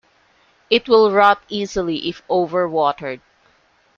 It will rot easily if overwatered.